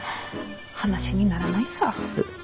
話にならないさ。